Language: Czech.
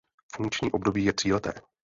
Funkční období je tříleté.